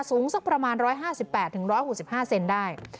สูงสักประมาณร้อยห้าสิบแปดถึงร้อยหกสิบห้าเซนได้